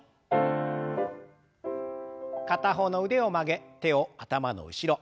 片方の腕を曲げ手を頭の後ろ。